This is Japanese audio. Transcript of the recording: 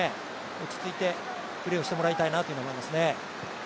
落ち着いてプレーをしてもらいたいなと思いますね。